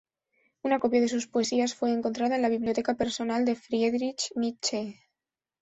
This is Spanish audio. Una copia de sus poesías fue encontrada en la biblioteca personal de Friedrich Nietzsche.